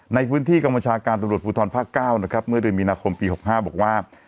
ในพื้นที่กรรมชาการตำรวจภูทรภาค๙นะครับเมื่อเดือนมีนาคมปี๖๕บอกว่า